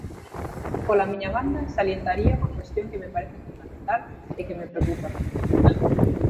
Pola miña banda, salientaría unha cuestión que me parece fundamental e que me preocupa.